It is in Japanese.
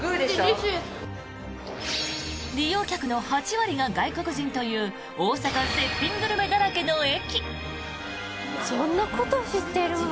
利用客の８割が外国人という大阪、絶品グルメだらけの駅。